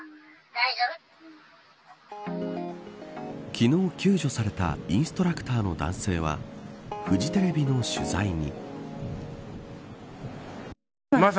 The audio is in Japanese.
昨日救助されたインストラクターの男性はフジテレビの取材に。